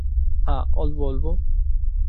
হ্যাঁ, অল্প অল্প।